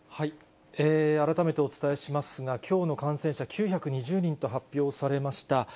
改めてお伝えしますが、きょうの感染者９２０人と発表されました。